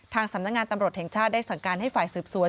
สำนักงานตำรวจแห่งชาติได้สั่งการให้ฝ่ายสืบสวน